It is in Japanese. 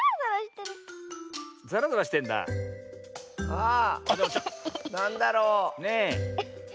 あなんだろう？ねえ。